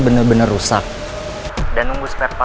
saya menyanying tuan jaros ya